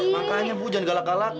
makanya bu jangan galak galak